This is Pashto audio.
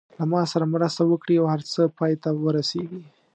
له ما سره مرسته وکړي او هر څه پای ته ورسېږي.